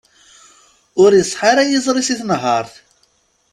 Ur iṣeḥḥa ara yiẓri-is i tenhert.